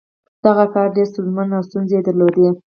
دغه کار ډېر ستونزمن و او ستونزې یې درلودې